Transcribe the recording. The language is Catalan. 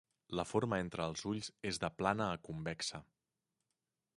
La forma entre els ulls és de plana a convexa.